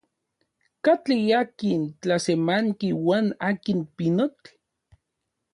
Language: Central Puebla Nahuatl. ¿Katli akin tlasemanki uan akin pinotl?